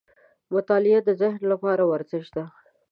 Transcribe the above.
• مطالعه د ذهن لپاره ورزش دی.